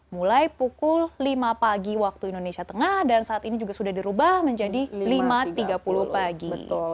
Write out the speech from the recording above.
mulai pukul lima pagi waktu indonesia tengah dan saat ini juga sudah dirubah menjadi lima tiga puluh pagi